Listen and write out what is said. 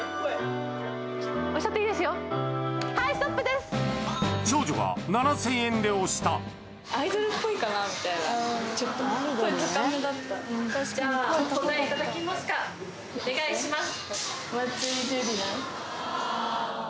押しちゃっていいですよはいストップです長女が７０００円で押したじゃあお答えいただけますかお願いします